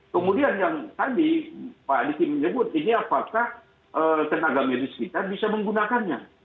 kemudian yang tadi pak diki menyebut ini apakah tenaga medis kita bisa menggunakannya